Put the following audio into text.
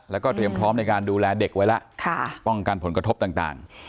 แล้วก็เตรียมพร้อมในการดูแลเด็กไว้แล้วป้องกันผลกระทบต่าง